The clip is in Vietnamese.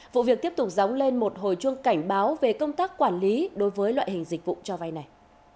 vụ việc tiếp tục dóng lên một hồi chuông cảnh báo về công tác quản lý đối với loại hình dịch vụ cho vay này